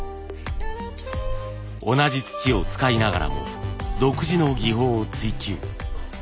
同じ土を使いながらも独自の技法を追求。